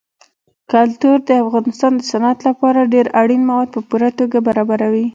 کلتور د افغانستان د صنعت لپاره ډېر اړین مواد په پوره توګه برابروي.